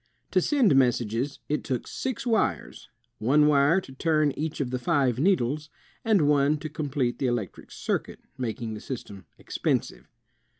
To send messages, it took six wires, one wire to turn each of the five needles, and one to complete the electric circuit, making the system expensive.